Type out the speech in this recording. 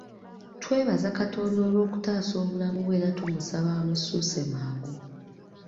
Twebaza Katonda olw’okutaasa obulamu bwe era tumusaba amussuuse mangu.